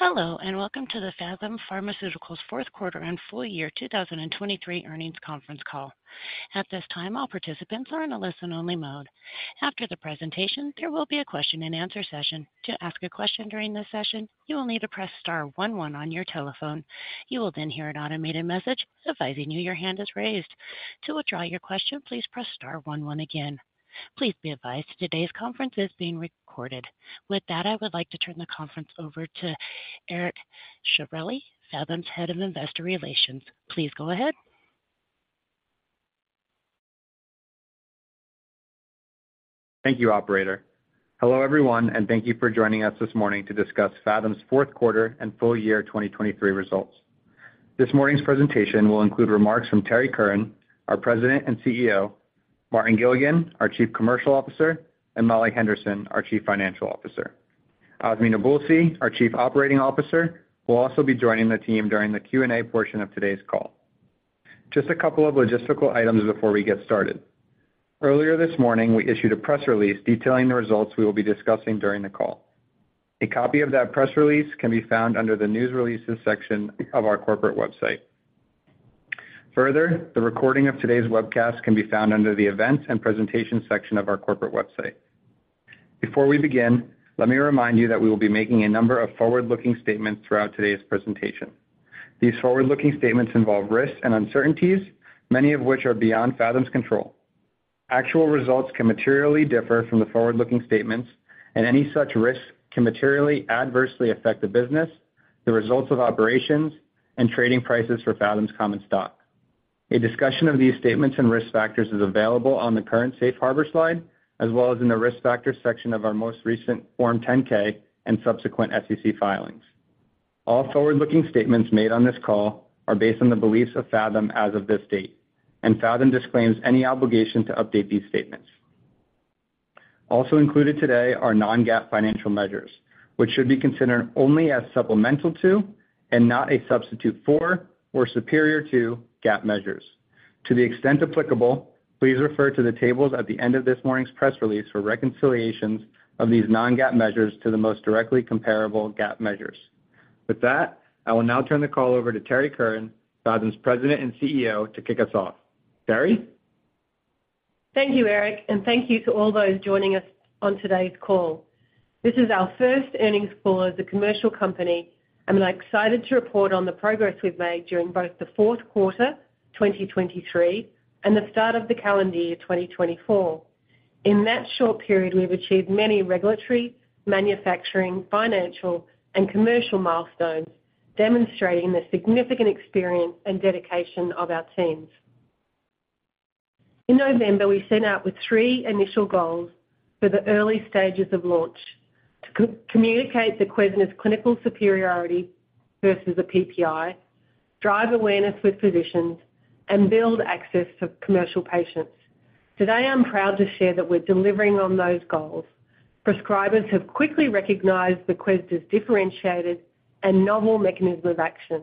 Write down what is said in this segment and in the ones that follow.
Hello and welcome to the Phathom Pharmaceuticals fourth quarter and full year 2023 earnings conference call. At this time, all participants are in a listen-only mode. After the presentation, there will be a question and answer session. To ask a question during this session, you will need to press star one-one on your telephone. You will then hear an automated message advising you your hand is raised. To withdraw your question, please press star one-one again. Please be advised today's conference is being recorded. With that, I would like to turn the conference over to Eric Sciorilli, Phathom's head of investor relations. Please go ahead. Thank you, operator. Hello everyone, and thank you for joining us this morning to discuss Phathom's fourth quarter and full year 2023 results. This morning's presentation will include remarks from Terrie Curran, our President and CEO, Martin Gilligan, our Chief Commercial Officer, and Molly Henderson, our Chief Financial Officer. Azmi Nabulsi, our Chief Operating Officer, will also be joining the team during the Q&A portion of today's call. Just a couple of logistical items before we get started. Earlier this morning, we issued a press release detailing the results we will be discussing during the call. A copy of that press release can be found under the news releases section of our corporate website. Further, the recording of today's webcast can be found under the events and presentations section of our corporate website. Before we begin, let me remind you that we will be making a number of forward-looking statements throughout today's presentation. These forward-looking statements involve risks and uncertainties, many of which are beyond Phathom's control. Actual results can materially differ from the forward-looking statements, and any such risks can materially adversely affect the business, the results of operations, and trading prices for Phathom's common stock. A discussion of these statements and risk factors is available on the current Safe Harbor slide, as well as in the risk factors section of our most recent Form 10-K and subsequent SEC filings. All forward-looking statements made on this call are based on the beliefs of Phathom as of this date, and Phathom disclaims any obligation to update these statements. Also included today are non-GAAP financial measures, which should be considered only as supplemental to and not a substitute for or superior to GAAP measures. To the extent applicable, please refer to the tables at the end of this morning's press release for reconciliations of these non-GAAP measures to the most directly comparable GAAP measures. With that, I will now turn the call over to Terrie Curran, Phathom's President and CEO, to kick us off. Terrie? Thank you, Eric, and thank you to all those joining us on today's call. This is our first earnings call as a commercial company, and we're excited to report on the progress we've made during both the fourth quarter 2023 and the start of the calendar year 2024. In that short period, we've achieved many regulatory, manufacturing, financial, and commercial milestones, demonstrating the significant experience and dedication of our teams. In November, we set out with three initial goals for the early stages of launch: to communicate the Voquezna's clinical superiority versus the PPI, drive awareness with physicians, and build access for commercial patients. Today, I'm proud to share that we're delivering on those goals. Prescribers have quickly recognized the Voquezna's differentiated and novel mechanism of action.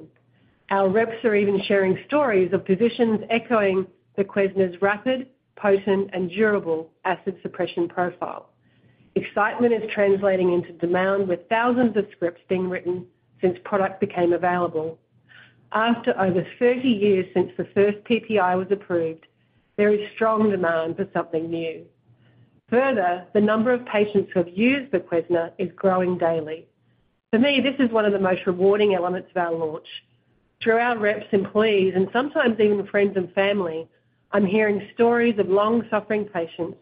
Our reps are even sharing stories of physicians echoing the Voquezna's rapid, potent, and durable acid suppression profile. Excitement is translating into demand, with thousands of scripts being written since product became available. After over 30 years since the first PPI was approved, there is strong demand for something new. Further, the number of patients who have used Voquezna is growing daily. For me, this is one of the most rewarding elements of our launch. Through our reps, employees, and sometimes even friends and family, I'm hearing stories of long-suffering patients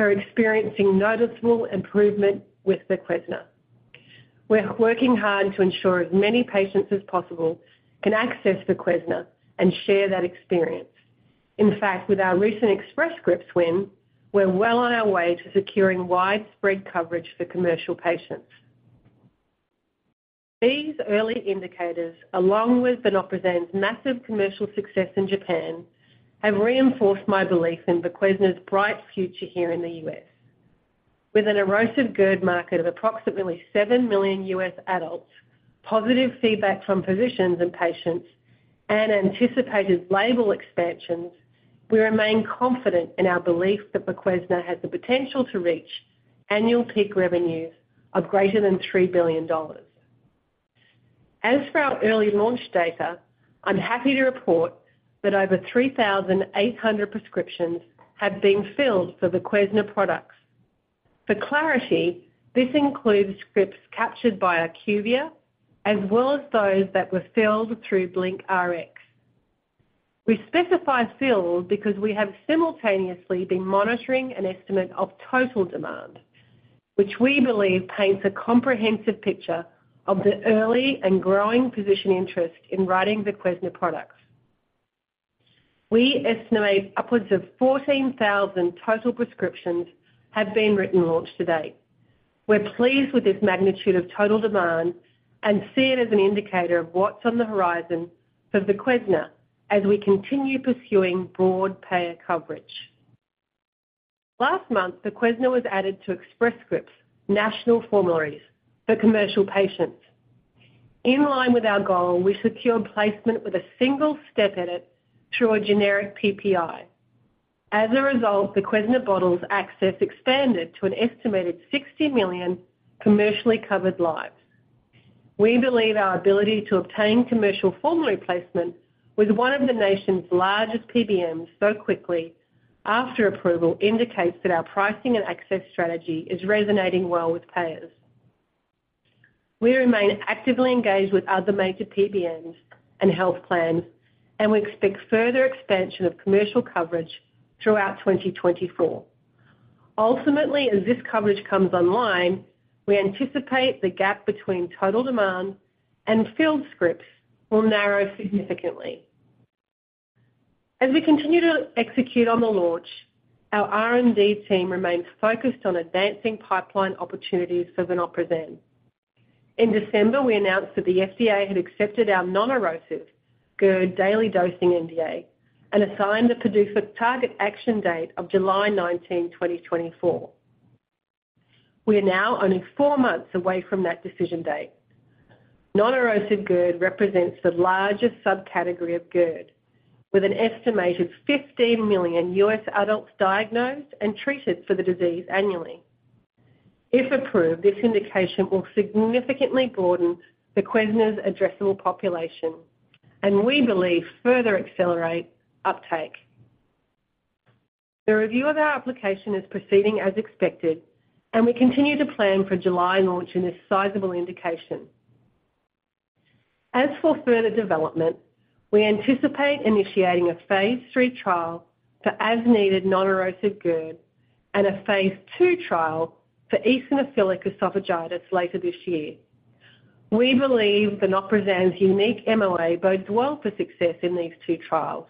who are experiencing noticeable improvement with Voquezna. We're working hard to ensure as many patients as possible can access Voquezna and share that experience. In fact, with our recent Express Scripts win, we're well on our way to securing widespread coverage for commercial patients. These early indicators, along with vonoprazan's massive commercial success in Japan, have reinforced my belief in Voquezna's bright future here in the U.S. With an erosive GERD market of approximately 7 million US adults, positive feedback from physicians and patients, and anticipated label expansions, we remain confident in our belief that Voquezna has the potential to reach annual peak revenues of greater than $3 billion. As for our early launch data, I'm happy to report that over 3,800 prescriptions have been filled for the Voquezna products. For clarity, this includes scripts captured by IQVIA, as well as those that were filled through BlinkRx. We specify filled because we have simultaneously been monitoring an estimate of total demand, which we believe paints a comprehensive picture of the early and growing physician interest in writing the Voquezna products. We estimate upwards of 14,000 total prescriptions have been written launch to date. We're pleased with this magnitude of total demand and see it as an indicator of what's on the horizon for Voquezna as we continue pursuing broad payer coverage. Last month, Voquezna was added to Express Scripts' national formulary for commercial patients. In line with our goal, we secured placement with a single step edit through a generic PPI. As a result, Voquezna's access expanded to an estimated 60 million commercially covered lives. We believe our ability to obtain commercial formulary placement with one of the nation's largest PBMs so quickly after approval indicates that our pricing and access strategy is resonating well with payers. We remain actively engaged with other major PBMs and health plans, and we expect further expansion of commercial coverage throughout 2024. Ultimately, as this coverage comes online, we anticipate the gap between total demand and filled scripts will narrow significantly. As we continue to execute on the launch, our R&D team remains focused on advancing pipeline opportunities for the vonoprazan. In December, we announced that the FDA had accepted non-erosive GERD daily dosing NDA and assigned a PDUFA target action date of July 19, 2024. We are now only four months away from that decision non-erosive GERD represents the largest subcategory of GERD, with an estimated 15 million U.S. adults diagnosed and treated for the disease annually. If approved, this indication will significantly broaden the Voquezna's addressable population, and we believe further accelerate uptake. The review of our application is proceeding as expected, and we continue to plan for July launch in this sizable indication. As for further development, we anticipate initiating a phase III trial for non-erosive GERD and a phase II trial for eosinophilic esophagitis later this year. We believe the Voquezna's unique MOA bodes well for success in these two trials.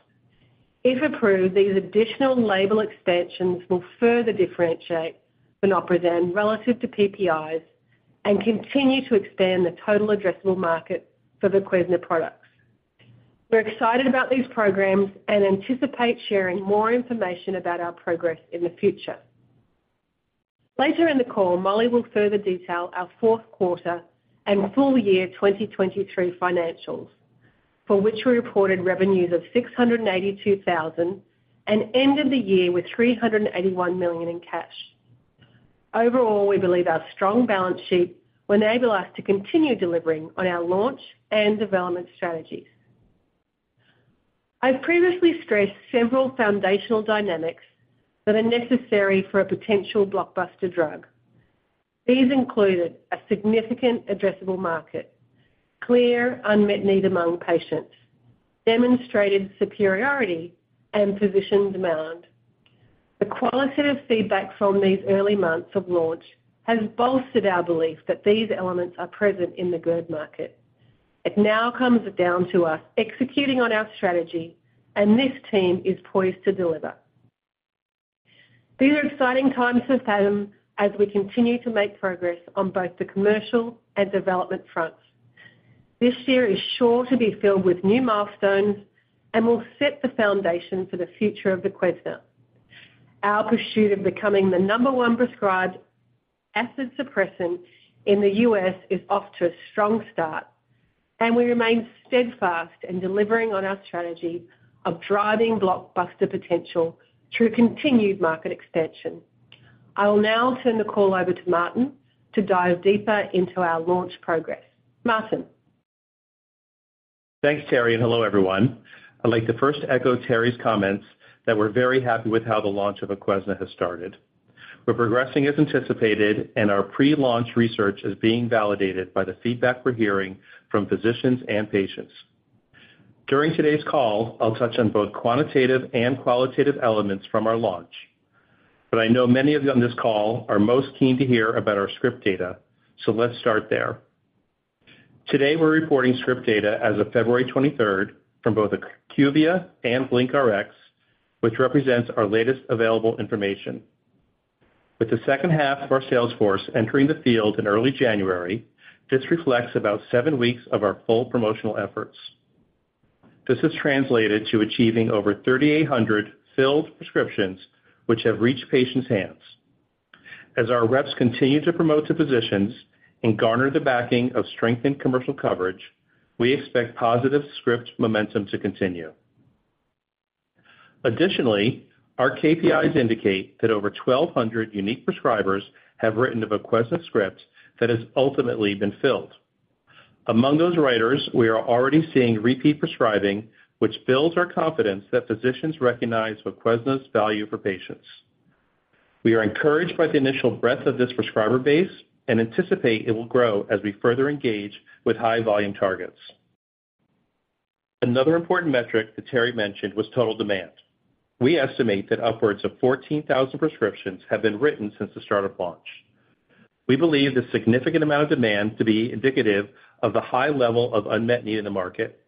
If approved, these additional label extensions will further differentiate the Voquezna relative to PPIs and continue to expand the total addressable market for the Voquezna products. We're excited about these programs and anticipate sharing more information about our progress in the future. Later in the call, Molly will further detail our fourth quarter and full year 2023 financials, for which we reported revenues of $682,000 and ended the year with $381 million in cash. Overall, we believe our strong balance sheet will enable us to continue delivering on our launch and development strategies. I've previously stressed several foundational dynamics that are necessary for a potential blockbuster drug. These included a significant addressable market, clear unmet need among patients, demonstrated superiority, and physician demand. The qualitative feedback from these early months of launch has bolstered our belief that these elements are present in the GERD market. It now comes down to us executing on our strategy, and this team is poised to deliver. These are exciting times for Phathom as we continue to make progress on both the commercial and development fronts. This year is sure to be filled with new milestones and will set the foundation for the future of Voquezna. Our pursuit of becoming the number one prescribed acid suppressant in the U.S. is off to a strong start, and we remain steadfast in delivering on our strategy of driving blockbuster potential through continued market expansion. I will now turn the call over to Martin to dive deeper into our launch progress. Martin. Thanks, Terrie, and hello everyone. I'd like to first echo Terrie's comments that we're very happy with how the launch of Voquezna has started. We're progressing as anticipated, and our pre-launch research is being validated by the feedback we're hearing from physicians and patients. During today's call, I'll touch on both quantitative and qualitative elements from our launch. But I know many of you on this call are most keen to hear about our script data, so let's start there. Today, we're reporting script data as of February 23rd from both IQVIA and BlinkRx, which represents our latest available information. With the second half of our sales force entering the field in early January, this reflects about seven weeks of our full promotional efforts. This is translated to achieving over 3,800 filled prescriptions, which have reached patients' hands. As our reps continue to promote to physicians and garner the backing of strengthened commercial coverage, we expect positive script momentum to continue. Additionally, our KPIs indicate that over 1,200 unique prescribers have written a Voquezna script that has ultimately been filled. Among those writers, we are already seeing repeat prescribing, which builds our confidence that physicians recognize the Voquezna's value for patients. We are encouraged by the initial breadth of this prescriber base and anticipate it will grow as we further engage with high-volume targets. Another important metric that Terrie mentioned was total demand. We estimate that upwards of 14,000 prescriptions have been written since the start of launch. We believe the significant amount of demand to be indicative of the high level of unmet need in the market.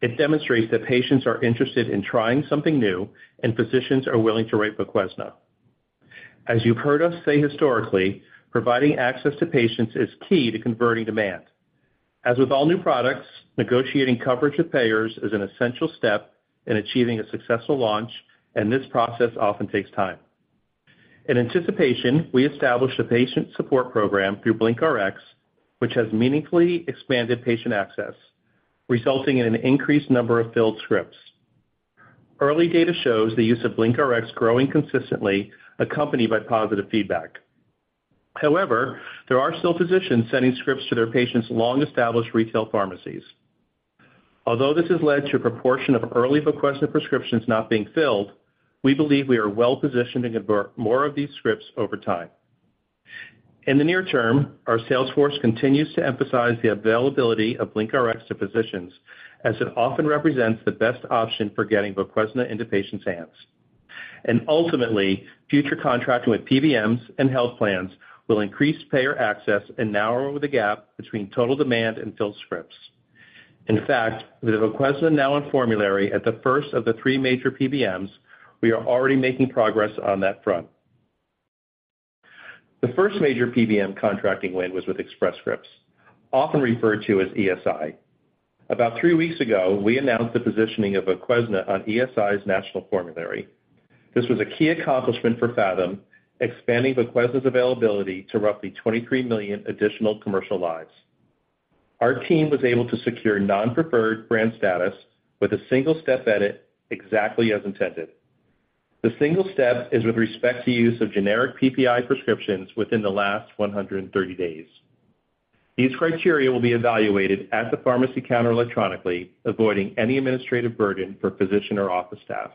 It demonstrates that patients are interested in trying something new, and physicians are willing to write for Voquezna. As you've heard us say historically, providing access to patients is key to converting demand. As with all new products, negotiating coverage with payers is an essential step in achieving a successful launch, and this process often takes time. In anticipation, we established a patient support program through BlinkRx, which has meaningfully expanded patient access, resulting in an increased number of filled scripts. Early data shows the use of BlinkRx growing consistently, accompanied by positive feedback. However, there are still physicians sending scripts to their patients' long-established retail pharmacies. Although this has led to a proportion of early Voquezna prescriptions not being filled, we believe we are well positioned to convert more of these scripts over time. In the near term, our sales force continues to emphasize the availability of BlinkRx to physicians, as it often represents the best option for getting the Voquezna into patients' hands. Ultimately, future contracting with PBMs and health plans will increase payer access and narrow the gap between total demand and filled scripts. In fact, with the Voquezna now in formulary at the first of the three major PBMs, we are already making progress on that front. The first major PBM contracting win was with Express Scripts, often referred to as ESI. About three weeks ago, we announced the positioning of Voquezna on ESI's national formulary. This was a key accomplishment for Phathom, expanding the Voquezna's availability to roughly 23 million additional commercial lives. Our team was able to secure non-preferred brand status with a single step edit exactly as intended. The single step is with respect to use of generic PPI prescriptions within the last 130 days. These criteria will be evaluated at the pharmacy counter electronically, avoiding any administrative burden for physician or office staff.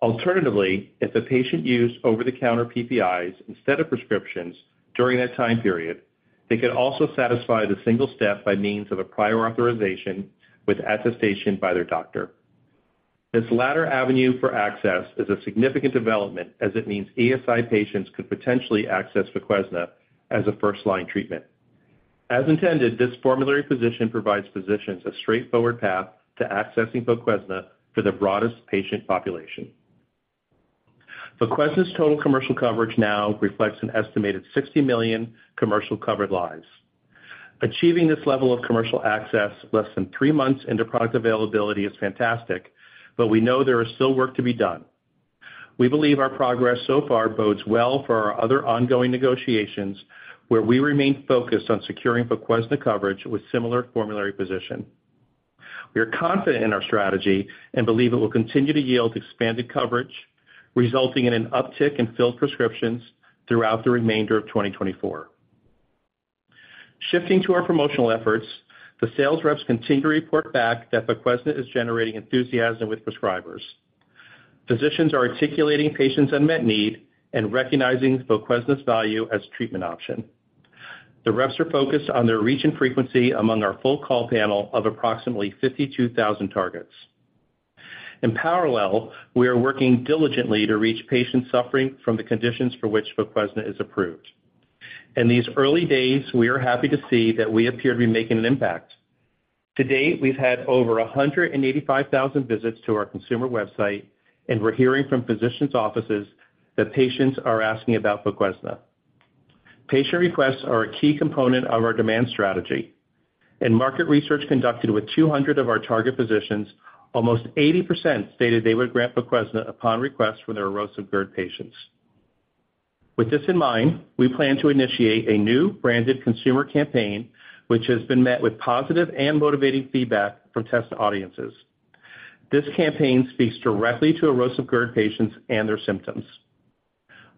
Alternatively, if a patient used over-the-counter PPIs instead of prescriptions during that time period, they could also satisfy the single step by means of a prior authorization with attestation by their doctor. This latter avenue for access is a significant development, as it means ESI patients could potentially access Voquezna as a first-line treatment. As intended, this formulary position provides physicians a straightforward path to accessing Voquezna for the broadest patient population. Voquezna's total commercial coverage now reflects an estimated 60 million commercial covered lives. Achieving this level of commercial access less than 3 months into product availability is fantastic, but we know there is still work to be done. We believe our progress so far bodes well for our other ongoing negotiations, where we remain focused on securing Voquezna coverage with a similar formulary position. We are confident in our strategy and believe it will continue to yield expanded coverage, resulting in an uptick in filled prescriptions throughout the remainder of 2024. Shifting to our promotional efforts, the sales reps continue to report back that Voquezna is generating enthusiasm with prescribers. Physicians are articulating patients' unmet need and recognizing Voquezna's value as a treatment option. The reps are focused on their reach and frequency among our full call panel of approximately 52,000 targets. In parallel, we are working diligently to reach patients suffering from the conditions for which Voquezna is approved. In these early days, we are happy to see that we appear to be making an impact. To date, we've had over 185,000 visits to our consumer website, and we're hearing from physicians' offices that patients are asking about Voquezna. Patient requests are a key component of our demand strategy. In market research conducted with 200 of our target physicians, almost 80% stated they would grant Voquezna upon request from their erosive GERD patients. With this in mind, we plan to initiate a new branded consumer campaign, which has been met with positive and motivating feedback from test audiences. This campaign speaks directly to erosive GERD patients and their symptoms.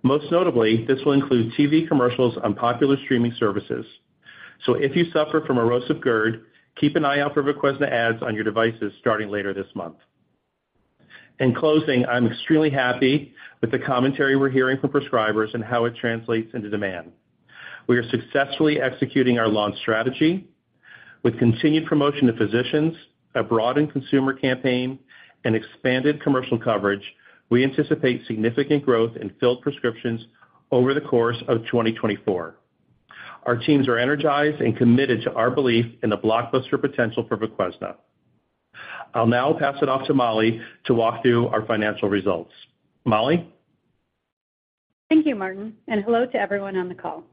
Most notably, this will include TV commercials on popular streaming services. So if you suffer from erosive GERD, keep an eye out for the Voquezna ads on your devices starting later this month. In closing, I'm extremely happy with the commentary we're hearing from prescribers and how it translates into demand. We are successfully executing our launch strategy. With continued promotion to physicians, a broadened consumer campaign, and expanded commercial coverage, we anticipate significant growth in filled prescriptions over the course of 2024. Our teams are energized and committed to our belief in the blockbuster potential for Voquezna. I'll now pass it off to Molly to walk through our financial results. Molly. Thank you, Martin, and hello to everyone on the call.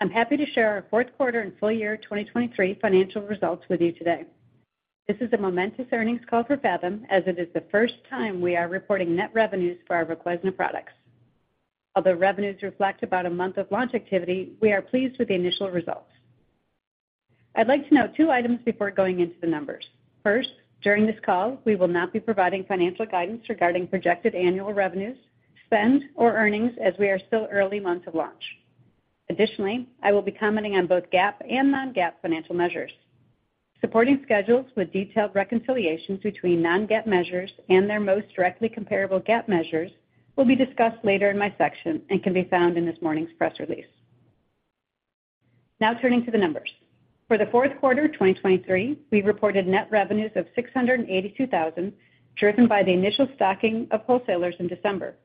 I'm happy to share our fourth quarter and full year 2023 financial results with you today. This is a momentous earnings call for Phathom, as it is the first time we are reporting net revenues for our Voquezna products. Although revenues reflect about a month of launch activity, we are pleased with the initial results. I'd like to note two items before going into the numbers. First, during this call, we will not be providing financial guidance regarding projected annual revenues, spend, or earnings, as we are still early months of launch. Additionally, I will be commenting on both GAAP and non-GAAP financial measures. Supporting schedules with detailed reconciliations between non-GAAP measures and their most directly comparable GAAP measures will be discussed later in my section and can be found in this morning's press release. Now turning to the numbers. For the fourth quarter 2023, we reported net revenues of $682,000, driven by the initial stocking of wholesalers in December.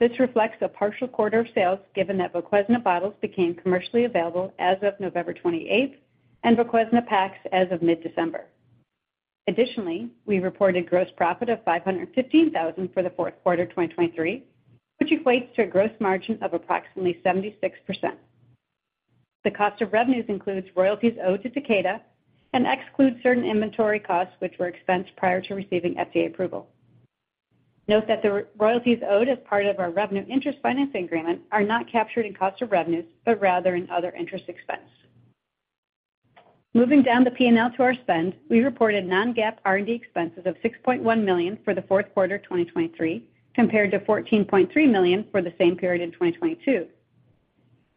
This reflects a partial quarter of sales given that the Voquezna bottles became commercially available as of November 28th and the Voquezna packs as of mid-December. Additionally, we reported gross profit of $515,000 for the fourth quarter 2023, which equates to a gross margin of approximately 76%. The cost of revenues includes royalties owed to Takeda and excludes certain inventory costs, which were expensed prior to receiving FDA approval. Note that the royalties owed as part of our revenue interest financing agreement are not captured in cost of revenues but rather in other interest expense. Moving down the P&L to our spend, we reported Non-GAAP R&D expenses of $6.1 million for the fourth quarter 2023, compared to $14.3 million for the same period in 2022.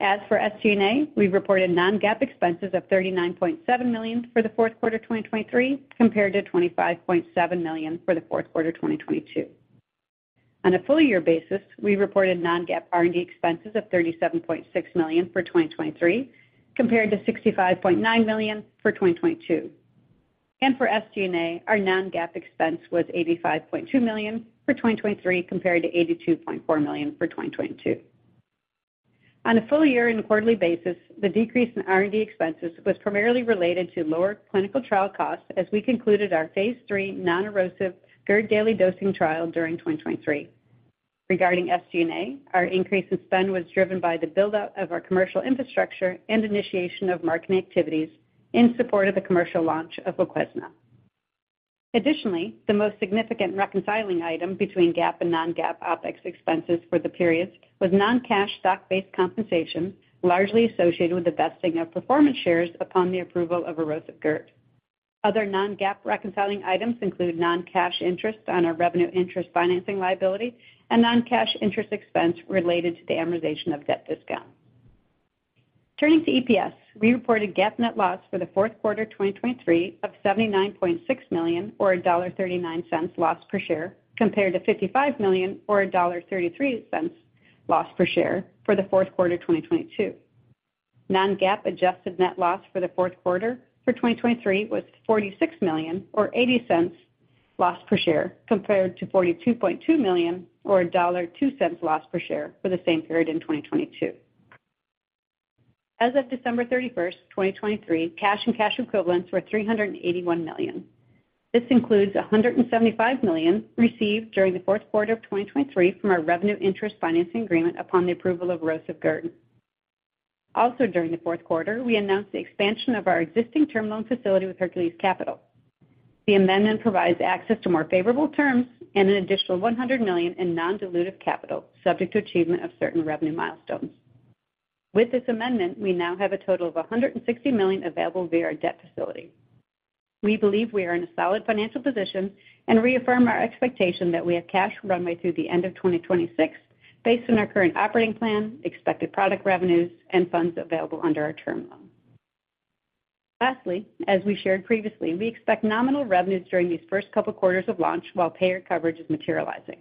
As for SG&A, we reported non-GAAP expenses of $39.7 million for the fourth quarter 2023, compared to $25.7 million for the fourth quarter 2022. On a full-year basis, we reported non-GAAP R&D expenses of $37.6 million for 2023, compared to $65.9 million for 2022. For SG&A, our non-GAAP expense was $85.2 million for 2023, compared to $82.4 million for 2022. On a full-year and quarterly basis, the decrease in R&D expenses was primarily related to lower clinical trial costs, as we concluded our phase III non-erosive GERD daily dosing trial during 2023. Regarding SG&A, our increase in spend was driven by the buildup of our commercial infrastructure and initiation of marketing activities in support of the commercial launch of Voquezna. Additionally, the most significant reconciling item between GAAP and non-GAAP OpEx expenses for the periods was non-cash stock-based compensation, largely associated with the vesting of performance shares upon the approval of erosive GERD. Other non-GAAP reconciling items include non-cash interest on our revenue interest financing liability and non-cash interest expense related to the amortization of debt discounts. Turning to EPS, we reported GAAP net loss for the fourth quarter 2023 of $79.6 million, or $1.39 loss per share, compared to $55 million, or $1.33 loss per share for the fourth quarter 2022. Non-GAAP adjusted net loss for the fourth quarter for 2023 was $46 million, or $0.80 loss per share, compared to $42.2 million, or $1.02 loss per share for the same period in 2022. As of December 31st, 2023, cash and cash equivalents were $381 million. This includes $175 million received during the fourth quarter of 2023 from our revenue interest financing agreement upon the approval of erosive GERD. Also, during the fourth quarter, we announced the expansion of our existing term loan facility with Hercules Capital. The amendment provides access to more favorable terms and an additional $100 million in non-dilutive capital, subject to achievement of certain revenue milestones. With this amendment, we now have a total of $160 million available via our debt facility. We believe we are in a solid financial position and reaffirm our expectation that we have cash runway through the end of 2026 based on our current operating plan, expected product revenues, and funds available under our term loan. Lastly, as we shared previously, we expect nominal revenues during these first couple of quarters of launch while payer coverage is materializing.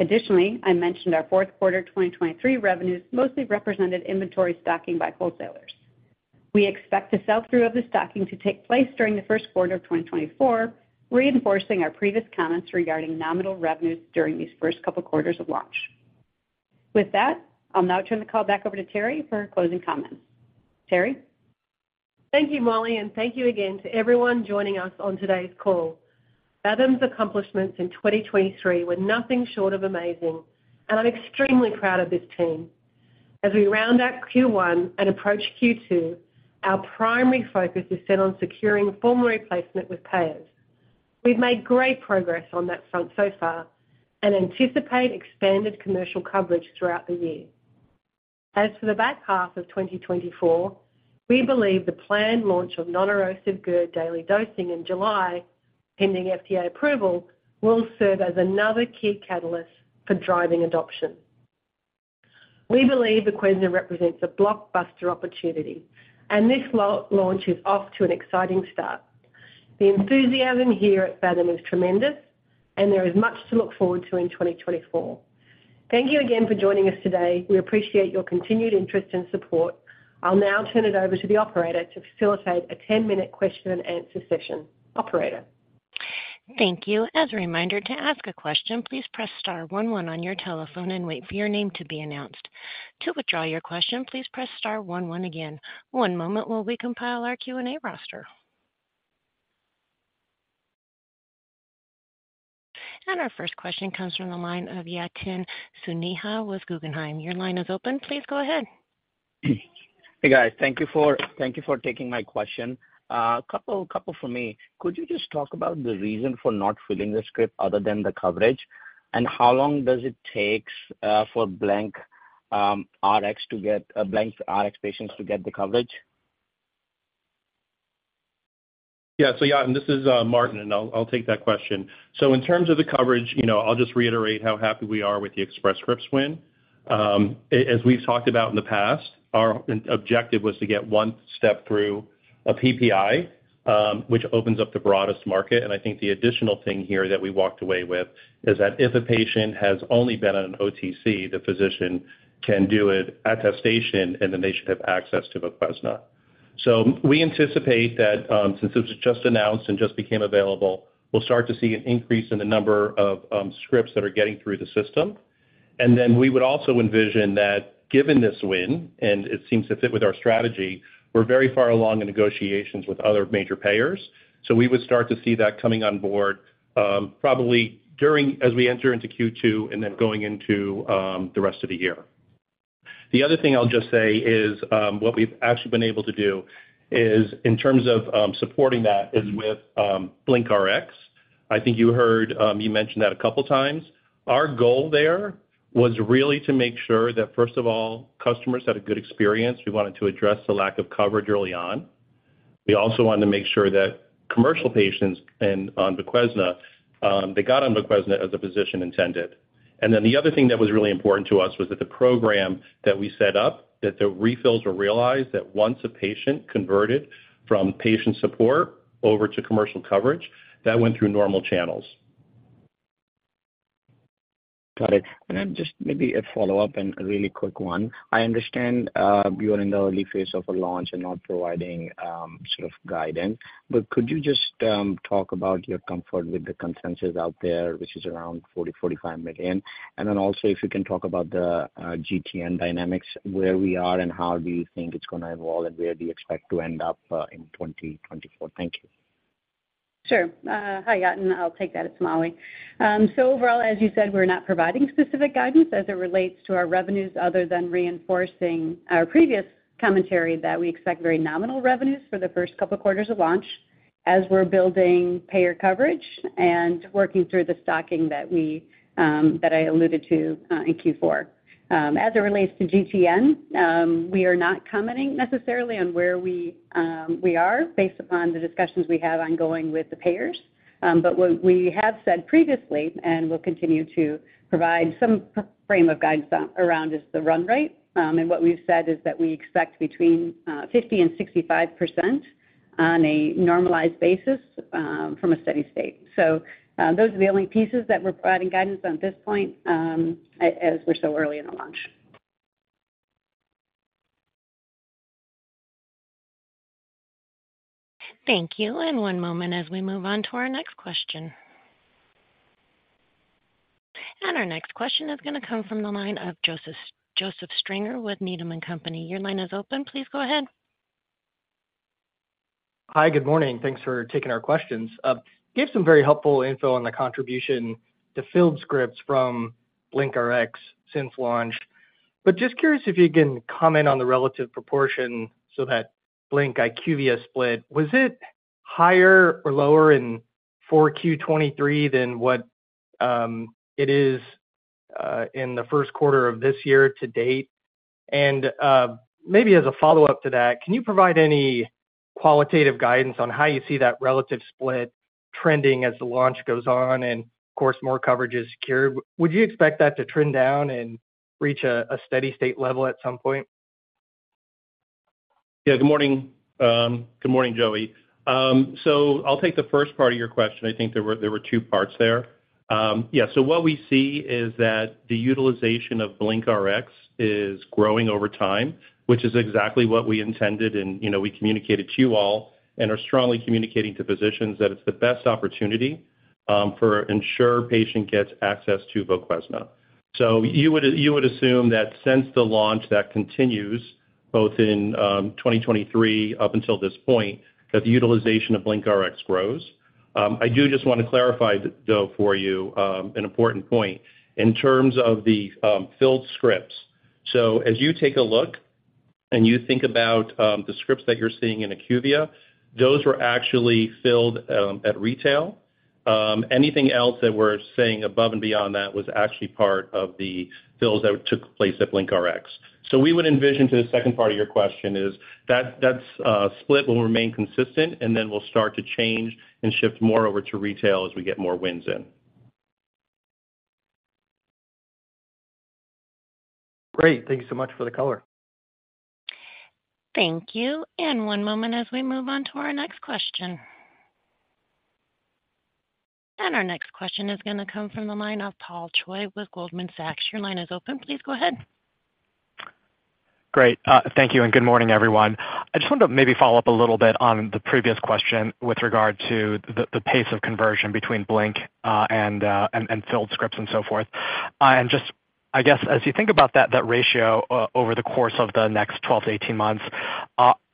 Additionally, I mentioned our fourth quarter 2023 revenues mostly represented inventory stocking by wholesalers. We expect a sell-through of the stocking to take place during the first quarter of 2024, reinforcing our previous comments regarding nominal revenues during these first couple of quarters of launch. With that, I'll now turn the call back over to Terrie for her closing comments. Terrie. Thank you, Molly, and thank you again to everyone joining us on today's call. Phathom's accomplishments in 2023 were nothing short of amazing, and I'm extremely proud of this team. As we round out Q1 and approach Q2, our primary focus is set on securing formulary placement with payers. We've made great progress on that front so far and anticipate expanded commercial coverage throughout the year. As for the back half of 2024, we believe the planned launch non-erosive GERD daily dosing in July, pending FDA approval, will serve as another key catalyst for driving adoption. We believe Voquezna represents a blockbuster opportunity, and this launch is off to an exciting start. The enthusiasm here at Phathom is tremendous, and there is much to look forward to in 2024. Thank you again for joining us today. We appreciate your continued interest and support. I'll now turn it over to the operator to facilitate a 10-minute question and answer session. Operator. Thank you. As a reminder, to ask a question, please press star one-one on your telephone and wait for your name to be announced. To withdraw your question, please press star one-one again. One moment while we compile our Q&A roster. Our first question comes from the line of Yatin Suneja with Guggenheim. Your line is open. Please go ahead. Hey, guys. Thank you for taking my question. A couple for me. Could you just talk about the reason for not filling the script other than the coverage, and how long does it take for BlinkRx patients to get the coverage? Yeah. So, Yatin, this is Martin, and I'll take that question. So in terms of the coverage, I'll just reiterate how happy we are with the Express Scripts win. As we've talked about in the past, our objective was to get one step through a PPI, which opens up the broadest market. And I think the additional thing here that we walked away with is that if a patient has only been on an OTC, the physician can do it attestation, and then they should have access to Voquezna. So we anticipate that since it was just announced and just became available, we'll start to see an increase in the number of scripts that are getting through the system. And then we would also envision that given this win, and it seems to fit with our strategy, we're very far along in negotiations with other major payers. So we would start to see that coming on board probably as we enter into Q2 and then going into the rest of the year. The other thing I'll just say is what we've actually been able to do in terms of supporting that is with BlinkRx. I think you mentioned that a couple of times. Our goal there was really to make sure that, first of all, customers had a good experience. We wanted to address the lack of coverage early on. We also wanted to make sure that commercial patients on the Voquezna, they got on the Voquezna as the physician intended. And then the other thing that was really important to us was that the program that we set up, that the refills were realized, that once a patient converted from patient support over to commercial coverage, that went through normal channels. Got it. And then just maybe a follow-up and a really quick one. I understand you are in the early phase of a launch and not providing sort of guidance, but could you just talk about your comfort with the consensus out there, which is around $40 to $45 million? And then also, if you can talk about the GTN dynamics, where we are and how do you think it's going to evolve and where do you expect to end up in 2024? Thank you. Sure. Hi, Yatin. I'll take that. It's Molly. So overall, as you said, we're not providing specific guidance as it relates to our revenues other than reinforcing our previous commentary that we expect very nominal revenues for the first couple of quarters of launch as we're building payer coverage and working through the stocking that I alluded to in Q4. As it relates to GTN, we are not commenting necessarily on where we are based upon the discussions we have ongoing with the payers. But what we have said previously, and we'll continue to provide some frame of guidance around, is the run rate. And what we've said is that we expect between 50% and 65% on a normalized basis from a steady state. So those are the only pieces that we're providing guidance on at this point as we're so early in the launch. Thank you. One moment as we move on to our next question. Our next question is going to come from the line of Joseph Stringer with Needham & Company. Your line is open. Please go ahead. Hi. Good morning. Thanks for taking our questions. You gave some very helpful info on the contribution to filled scripts from BlinkRx since launch. But just curious if you can comment on the relative proportion of the Blink IQVIA's split. Was it higher or lower in 4Q23 than what it is in the first quarter of this year to date? And maybe as a follow-up to that, can you provide any qualitative guidance on how you see that relative split trending as the launch goes on and, of course, more coverage is secured? Would you expect that to trend down and reach a steady state level at some point? Yeah. Good morning. Good morning, Joey. So I'll take the first part of your question. I think there were two parts there. Yeah. So what we see is that the utilization of BlinkRx is growing over time, which is exactly what we intended. And we communicated to you all and are strongly communicating to physicians that it's the best opportunity to ensure patient gets access to the Voquezna. So you would assume that since the launch that continues both in 2023 up until this point, that the utilization of BlinkRx grows. I do just want to clarify, though, for you an important point. In terms of the filled scripts, so as you take a look and you think about the scripts that you're seeing in IQVIA, those were actually filled at retail. Anything else that we're saying above and beyond that was actually part of the fills that took place at BlinkRx. So we would envision to the second part of your question is that split will remain consistent, and then we'll start to change and shift more over to retail as we get more wins in. Great. Thank you so much for the color. Thank you. One moment as we move on to our next question. Our next question is going to come from the line of Paul Choi with Goldman Sachs. Your line is open. Please go ahead. Great. Thank you. And good morning, everyone. I just want to maybe follow up a little bit on the previous question with regard to the pace of conversion between Blink and filled scripts and so forth. And just, I guess, as you think about that ratio over the course of the next 12 to 18 months,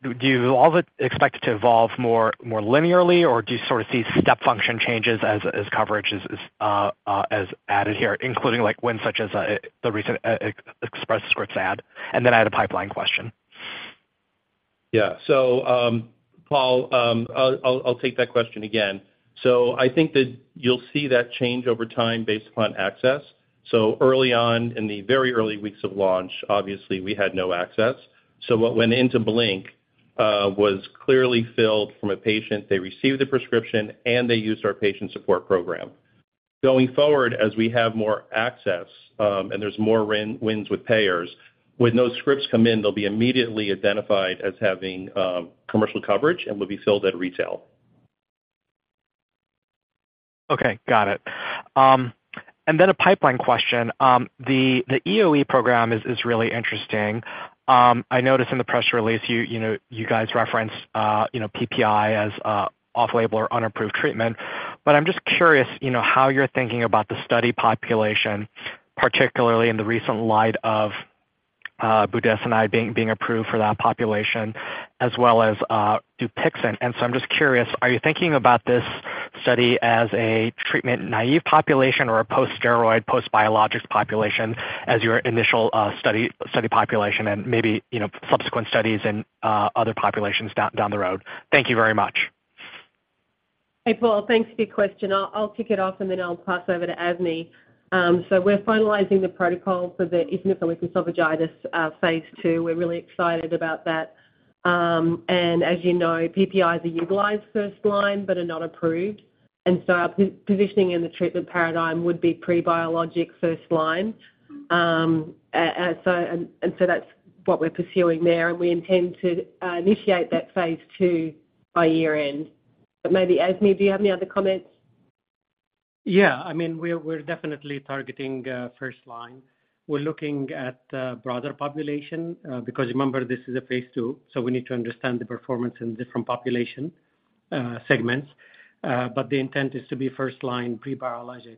do you all expect it to evolve more linearly, or do you sort of see step function changes as coverage is added here, including wins such as the recent Express Scripts add? And then I had a pipeline question. Yeah. Paul, I'll take that question again. I think that you'll see that change over time based upon access. Early on, in the very early weeks of launch, obviously, we had no access. What went into Blink was clearly filled from a patient. They received the prescription, and they used our patient support program. Going forward, as we have more access and there's more wins with payers, when those scripts come in, they'll be immediately identified as having commercial coverage and will be filled at retail. Okay. Got it. And then a pipeline question. The EoE program is really interesting. I noticed in the press release, you guys referenced PPI as off-label or unapproved treatment. But I'm just curious how you're thinking about the study population, particularly in the recent light of budesonide being approved for that population, as well as Dupixent. And so I'm just curious, are you thinking about this study as a treatment-naïve population or a post-steroid, post-biologics population as your initial study population and maybe subsequent studies in other populations down the road? Thank you very much. Hey, Paul. Thanks for your question. I'll kick it off, and then I'll pass over to Azmi. So we're finalizing the protocol for the eosinophilic esophagitis phase II. We're really excited about that. And as you know, PPIs are utilized first line but are not approved. And so our positioning in the treatment paradigm would be prebiologic first line. And so that's what we're pursuing there. And we intend to initiate that phase II by year-end. But maybe, Azmi, do you have any other comments? Yeah. I mean, we're definitely targeting first line. We're looking at a broader population because, remember, this is a phase II. So we need to understand the performance in different population segments. But the intent is to be first line prebiologic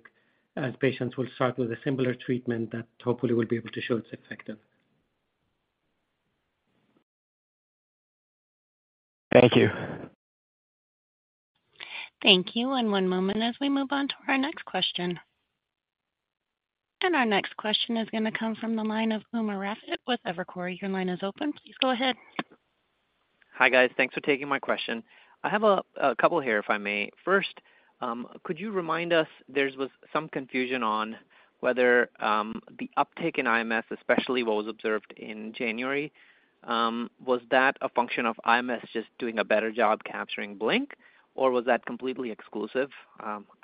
as patients will start with a similar treatment that hopefully will be able to show it's effective. Thank you. Thank you. One moment as we move on to our next question. Our next question is going to come from the line of Umer Raffat with Evercore. Your line is open. Please go ahead. Hi, guys. Thanks for taking my question. I have a couple here, if I may. First, could you remind us there was some confusion on whether the uptake in IMS, especially what was observed in January, was that a function of IMS just doing a better job capturing Blink, or was that completely exclusive?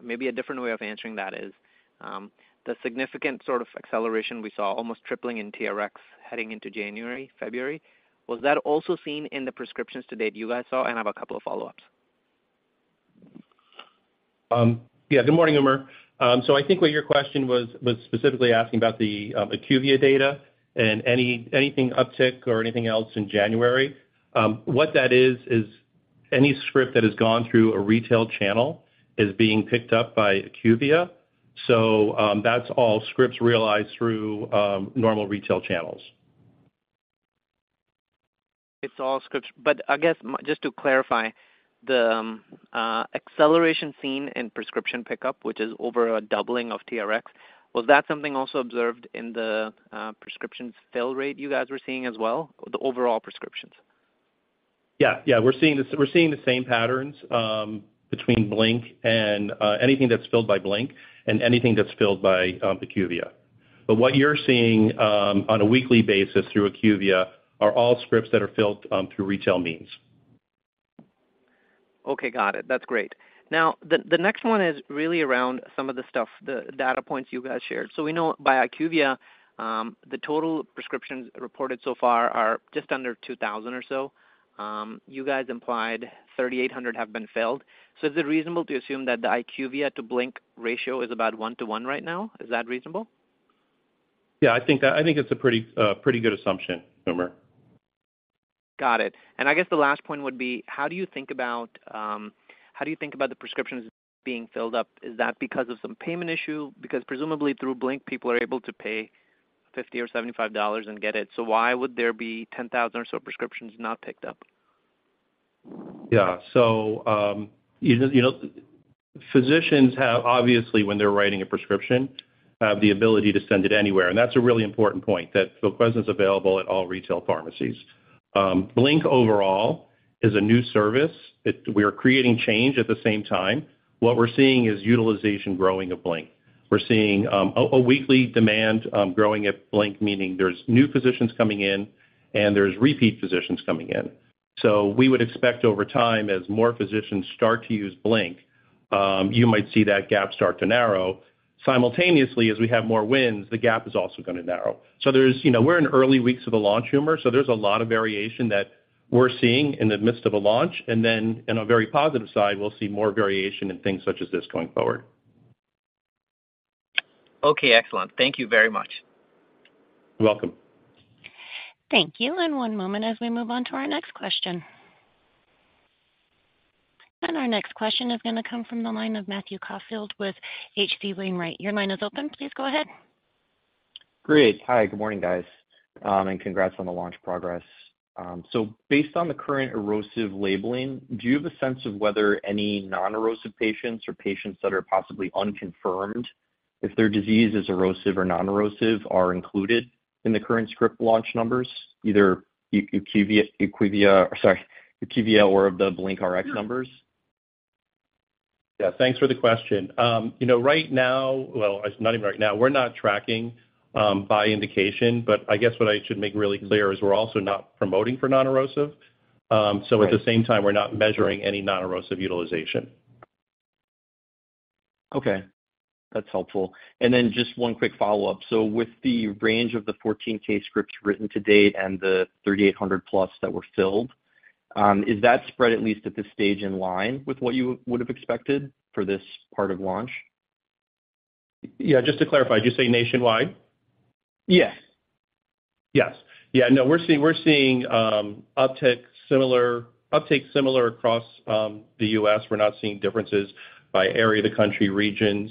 Maybe a different way of answering that is the significant sort of acceleration we saw almost tripling in TRx heading into January, February. Was that also seen in the prescriptions to date you guys saw? And I have a couple of follow-ups. Yeah. Good morning, Umer. So I think what your question was specifically asking about the IQVIA data and anything uptick or anything else in January. What that is is any script that has gone through a retail channel is being picked up by IQVIA. So that's all scripts realized through normal retail channels. It's all scripts. But I guess just to clarify, the acceleration seen in prescription pickup, which is over a doubling of TRx, was that something also observed in the prescriptions fill rate you guys were seeing as well, the overall prescriptions? Yeah. Yeah. We're seeing the same patterns between Blink and anything that's filled by Blink and anything that's filled by IQVIA. But what you're seeing on a weekly basis through IQVIA are all scripts that are filled through retail means. Okay. Got it. That's great. Now, the next one is really around some of the stuff, the data points you guys shared. We know by IQVIA, the total prescriptions reported so far are just under 2,000 or so. You guys implied 3,800 have been filled. Is it reasonable to assume that the IQVIA to Blink ratio is about 1:1 right now? Is that reasonable? Yeah. I think it's a pretty good assumption, Umer. Got it. And I guess the last point would be, how do you think about the prescriptions being filled up? Is that because of some payment issue? Because presumably, through Blink, people are able to pay $50 or $75 and get it. So why would there be 10,000 or so prescriptions not picked up? Yeah. So physicians have, obviously, when they're writing a prescription, have the ability to send it anywhere. And that's a really important point, that the Voquezna is available at all retail pharmacies. Blink, overall, is a new service. We are creating change at the same time. What we're seeing is utilization growing of Blink. We're seeing a weekly demand growing at Blink, meaning there's new physicians coming in and there's repeat physicians coming in. So we would expect over time, as more physicians start to use Blink, you might see that gap start to narrow. Simultaneously, as we have more wins, the gap is also going to narrow. So we're in early weeks of the launch, Umer. So there's a lot of variation that we're seeing in the midst of a launch. And then on a very positive side, we'll see more variation in things such as this going forward. Okay. Excellent. Thank you very much. You're welcome. Thank you. One moment as we move on to our next question. Our next question is going to come from the line of Matthew Caufield with H.C. Wainwright. Your line is open. Please go ahead. Great. Hi. Good morning, guys. And congrats on the launch progress. So based on the current erosive labeling, do you have a sense of whether any non-erosive patients or patients that are possibly unconfirmed, if their disease is erosive or non-erosive, are included in the current script launch numbers, either IQVIA or IQVIA or of the BlinkRx numbers? Yeah. Thanks for the question. Right now, well, not even right now. We're not tracking by indication. But I guess what I should make really clear is we're also not promoting for non-erosive. So at the same time, we're not measuring any non-erosive utilization. Okay. That's helpful. And then just one quick follow-up. So with the range of the 14,000 scripts written to date and the 3,800+ that were filled, is that spread at least at this stage in line with what you would have expected for this part of launch? Yeah. Just to clarify, did you say nationwide? Yes. Yes. Yeah. No. We're seeing uptake similar across the US. We're not seeing differences by area of the country, regions.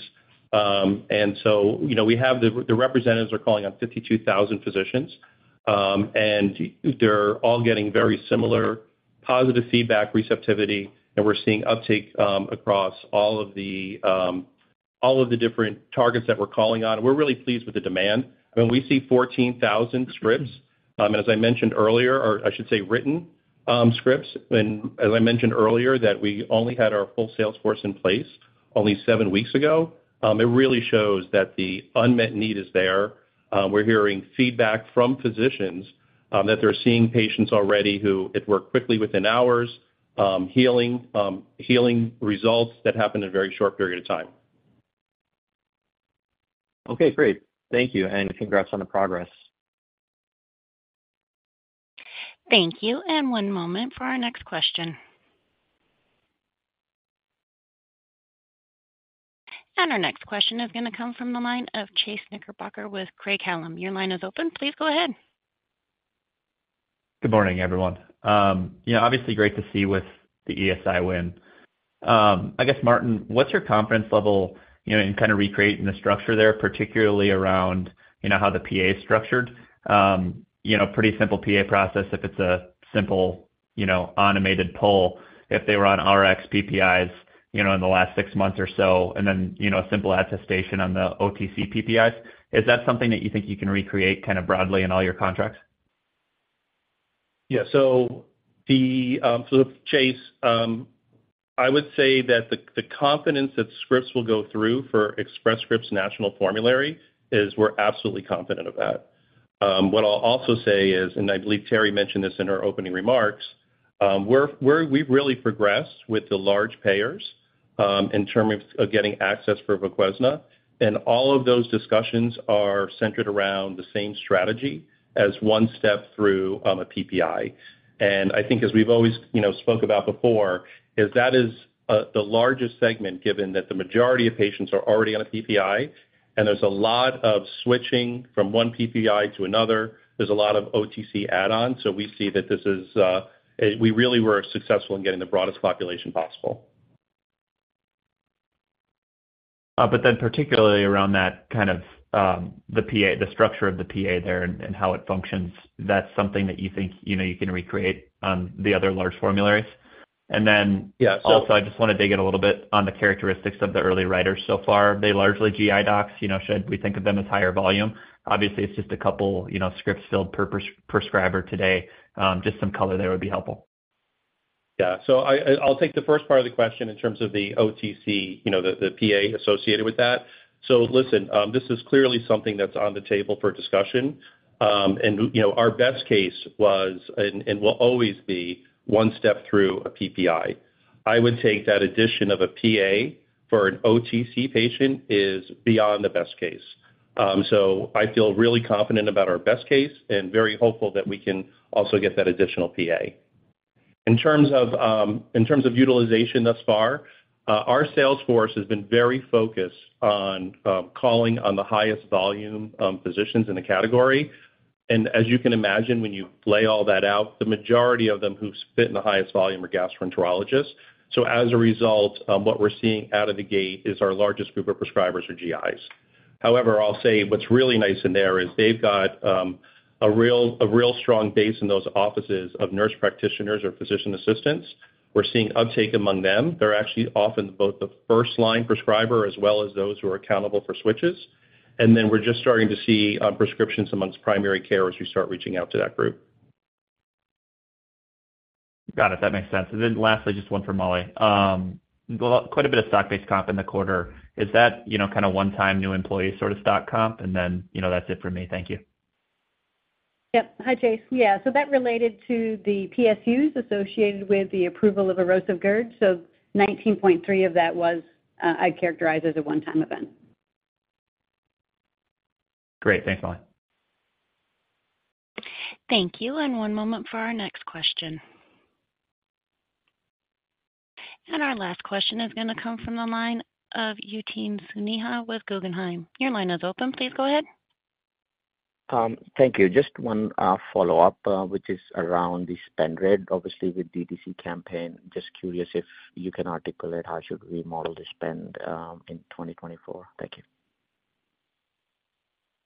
And so we have the representatives are calling on 52,000 physicians. And they're all getting very similar positive feedback, receptivity. And we're seeing uptake across all of the different targets that we're calling on. And we're really pleased with the demand. I mean, we see 14,000 scripts. And as I mentioned earlier, or I should say written scripts. And as I mentioned earlier, that we only had our full salesforce in place only 7 weeks ago, it really shows that the unmet need is there. We're hearing feedback from physicians that they're seeing patients already who it worked quickly within hours, healing results that happened in a very short period of time. Okay. Great. Thank you. Congrats on the progress. Thank you. And one moment for our next question. And our next question is going to come from the line of Chase Knickerbocker with Craig-Hallum. Your line is open. Please go ahead. Good morning, everyone. Obviously, great to see with the ESI win. I guess, Martin, what's your confidence level in kind of recreating the structure there, particularly around how the PA is structured? Pretty simple PA process if it's a simple automated pull. If they were on Rx PPIs in the last six months or so and then a simple attestation on the OTC PPIs, is that something that you think you can recreate kind of broadly in all your contracts? Yeah. So for the Chase, I would say that the confidence that scripts will go through for Express Scripts national formulary is we're absolutely confident of that. What I'll also say is, and I believe Terrie mentioned this in her opening remarks, we've really progressed with the large payers in terms of getting access for Voquezna. And all of those discussions are centered around the same strategy as one step through a PPI. And I think, as we've always spoke about before, that is the largest segment given that the majority of patients are already on a PPI. And there's a lot of switching from one PPI to another. There's a lot of OTC add-ons. So we see that this is we really were successful in getting the broadest population possible. But then particularly around kind of the structure of the PA there and how it functions, that's something that you think you can recreate on the other large formularies? And then also, I just want to dig in a little bit on the characteristics of the early writers so far. They largely GI docs. Should we think of them as higher volume? Obviously, it's just a couple scripts filled per prescriber today. Just some color there would be helpful. Yeah. So I'll take the first part of the question in terms of the OTC, the PA associated with that. So listen, this is clearly something that's on the table for discussion. And our best case was and will always be one step through a PPI. I would take that addition of a PA for an OTC patient is beyond the best case. So I feel really confident about our best case and very hopeful that we can also get that additional PA. In terms of utilization thus far, our sales force has been very focused on calling on the highest volume physicians in the category. And as you can imagine, when you lay all that out, the majority of them who fit in the highest volume are gastroenterologists. So as a result, what we're seeing out of the gate is our largest group of prescribers are GIs. However, I'll say what's really nice in there is they've got a real strong base in those offices of nurse practitioners or physician assistants. We're seeing uptake among them. They're actually often both the first-line prescriber as well as those who are accountable for switches. And then we're just starting to see prescriptions among primary care as we start reaching out to that group. Got it. That makes sense. And then lastly, just one from Molly. Quite a bit of stock-based comp in the quarter. Is that kind of one-time new employee sort of stock comp? And then that's it for me. Thank you. Yep. Hi, Chase. Yeah. So that related to the PSUs associated with the approval of erosive GERD. So 19.3 of that was, I'd characterize, as a one-time event. Great. Thanks, Molly. Thank you. One moment for our next question. Our last question is going to come from the line of Yatin Suneja with Guggenheim. Your line is open. Please go ahead. Thank you. Just one follow-up, which is around the spend rate, obviously, with DTC campaign. Just curious if you can articulate how should we model the spend in 2024? Thank you.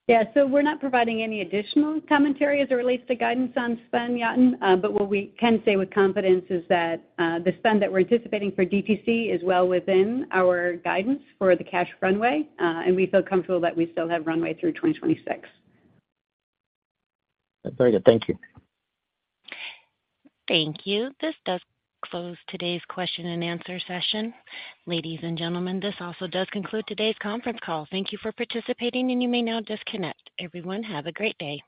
Yeah. So we're not providing any additional commentary as it relates to guidance on spend yet. But what we can say with confidence is that the spend that we're anticipating for DTC is well within our guidance for the cash runway. And we feel comfortable that we still have runway through 2026. Very good. Thank you. Thank you. This does close today's question and answer session. Ladies and gentlemen, this also does conclude today's conference call. Thank you for participating. You may now disconnect. Everyone, have a great day.